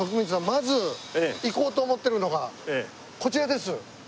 まず行こうと思ってるのがこちらです。